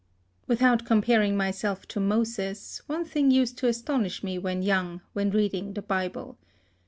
Without comparing myself to Moses, one thing used to astonish me when young, when reading the Bible.